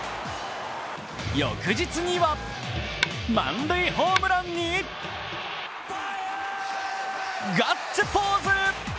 翌日には満塁ホームランにガッツポーズ！